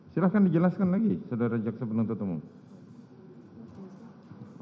silahkan dijelaskan lagi saudara jaksa penuntut umum